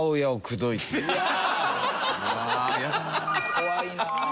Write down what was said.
怖いなあ。